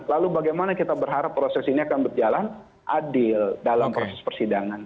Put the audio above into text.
lalu bagaimana kita berharap proses ini akan berjalan adil dalam proses persidangan